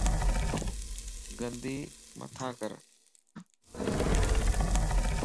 گندي مٿان ڪر